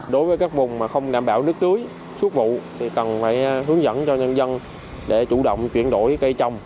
đối với các vùng mà không đảm bảo nước tưới suốt vụ thì cần phải hướng dẫn cho nhân dân để chủ động chuyển đổi cây trồng